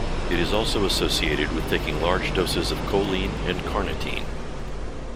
It is also associated with taking large doses of choline and carnitine.